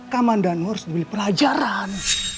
kamandano harus membeli pelajaran